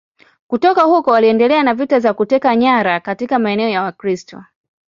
Kutoka huko waliendelea na vita za kuteka nyara katika maeneo ya Wakristo.